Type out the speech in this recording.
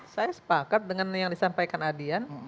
saya sepakat dengan yang disampaikan adian